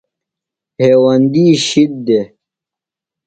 ہیوندی شِد دےۡ۔